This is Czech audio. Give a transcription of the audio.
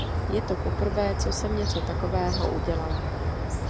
Je to poprvé, co jsem něco takového udělala.